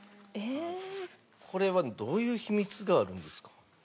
これはどういう秘密があるんですか？